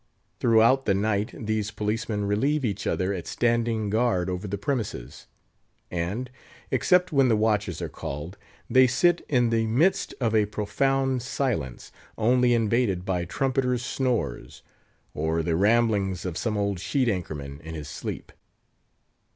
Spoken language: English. Throughout the night these policemen relieve each other at standing guard over the premises; and, except when the watches are called, they sit in the midst of a profound silence, only invaded by trumpeters' snores, or the ramblings of some old sheet anchor man in his sleep.